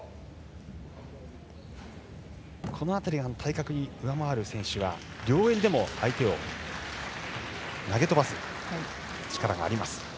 この辺り、体格が上回る選手が両襟でも相手を投げ飛ばす力があります。